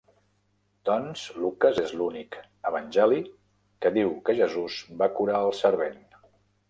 Doncs, Lucas és l'únic evangeli que diu que Jesus va curar el servent.